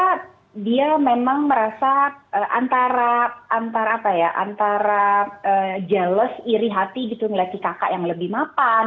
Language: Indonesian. karena dia memang merasa antara jealous iri hati melihat si kakak yang lebih mapan